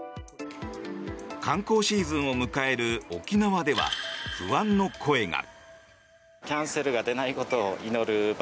観光シーズンを迎える沖縄では不安の声が。